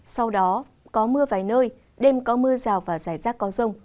sau đó có mưa vài nơi đêm có mưa rào và rải rác có rông